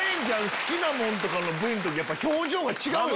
好きなもんとかのＶＴＲの時表情が違うよね。